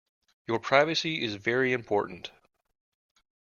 Your privacy is very important.